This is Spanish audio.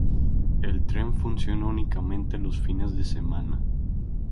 El tren funciona únicamente los fines de semana.